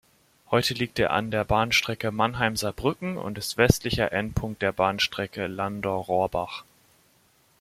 Heute liegt er an der Bahnstrecke Mannheim–Saarbrücken und ist westlicher Endpunkt der Bahnstrecke Landau–Rohrbach.